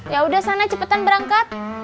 yaudah sana cepetan berangkat